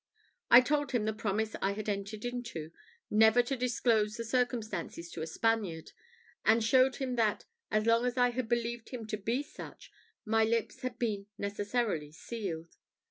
I told him the promise I had entered into, never to disclose the circumstances to a Spaniard, and showed him that, as long as I had believed him to be such, my lips had been necessarily sealed.